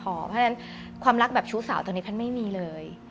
เพราะฉะนั้นความรักแบบชู้สาวตอนนี้แพทย์ไม่มีเลย